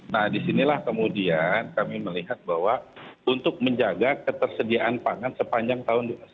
nah di sini lah kemudian kami melihat bahwa untuk menjaga ketersediaan pangan sepanjang tahun